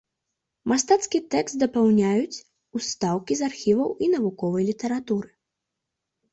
Мастацкі тэкст дапаўняюць устаўкі з архіваў і навуковай літаратуры.